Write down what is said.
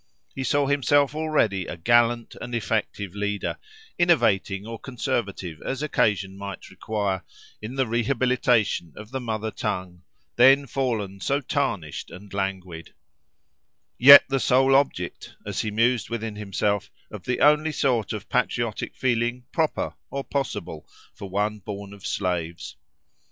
He saw himself already a gallant and effective leader, innovating or conservative as occasion might require, in the rehabilitation of the mother tongue, then fallen so tarnished and languid; yet the sole object, as he mused within himself, of the only sort of patriotic feeling proper, or possible, for one born of slaves.